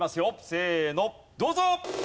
せーのどうぞ！